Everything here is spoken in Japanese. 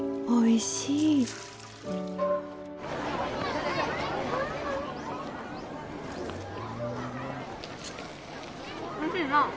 おいしいな？